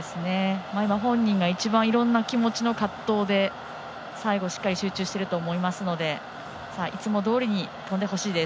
本人が一番いろんな気持ちの葛藤で最後、しっかり集中していると思うのでいつもどおりに跳んでほしいです。